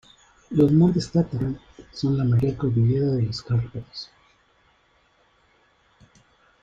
Los montes Tatra, son la mayor cordillera de los Cárpatos.